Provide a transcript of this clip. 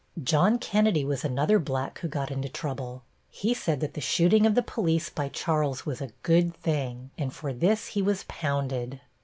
"John Kennedy was another black who got into trouble. He said that the shooting of the police by Charles was a good thing, and for this he was pounded.